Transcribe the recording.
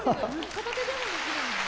片手でもできるんだね。